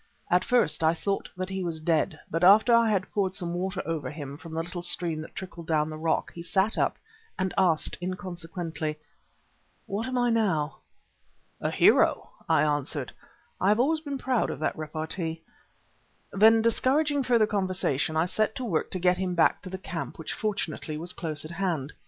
At first I thought that he was dead, but after I had poured some water over him from the little stream that trickled down the rock, he sat up and asked inconsequently: "What am I now?" "A hero," I answered. (I have always been proud of that repartee.) Then, discouraging further conversation, I set to work to get him back to the camp, which fortunately was close at hand.